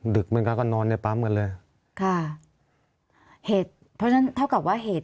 ึกมันก็นอนในปั๊มกันเลยค่ะเหตุเพราะฉะนั้นเท่ากับว่าเหตุ